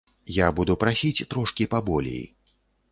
Я буду прасіць трошкі паболей.